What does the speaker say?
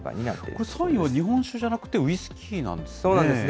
これ、３位は日本酒じゃなくてウイスキーなんですね。